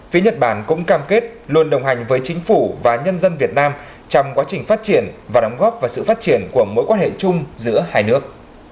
phía nhật bản cũng cam kết luôn đồng hành với chính phủ và nhân dân việt nam trong quá trình phát triển và đóng góp vào sự phát triển của mối quan hệ chung giữa hai nước